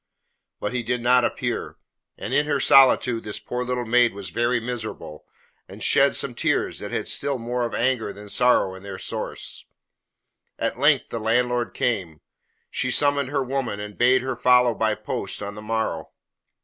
But he did not appear, and in her solitude this poor little maid was very miserable, and shed some tears that had still more of anger than sorrow in their source. At length the landlord came. She summoned her woman, and bade her follow by post on the morrow.